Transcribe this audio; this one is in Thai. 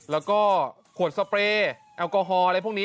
แล้วก็ขวดสเปรย์แอลกอฮอล์อะไรพวกนี้